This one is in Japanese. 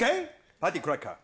パーティークラッカー。